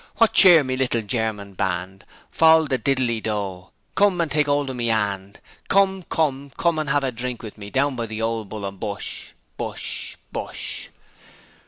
Wot cheer me little Germin band! Fol the diddle di do! Come an' take 'old of me 'and Come, come, come an' 'ave a drink with me, Down by the old Bull and Bush, Bush! Bush!'